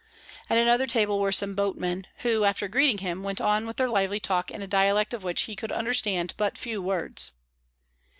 At another table were some boatmen, who, after greeting him, went on with their lively talk in a dialect of which he could understand but few words.